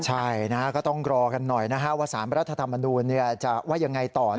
ใช่ก็ต้องรอกันหน่อยนะฮะว่าสารรัฐธรรมนูลจะว่ายังไงต่อ